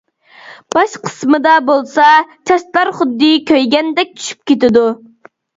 باش قىسمىدا بولسا چاچلار خۇددى كۆيگەندەك چۈشۈپ كېتىدۇ.